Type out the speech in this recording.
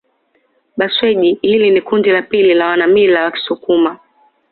Bhasweji hili ni kundi la pili la wanamila wa kisukuma